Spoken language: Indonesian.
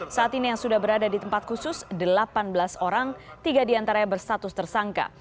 saat ini yang sudah berada di tempat khusus delapan belas orang tiga diantara bersatus tersangka